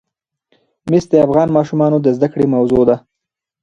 مس د افغان ماشومانو د زده کړې موضوع ده.